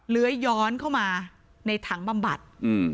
เลื้อยย้อนเข้ามาในถังบำบัด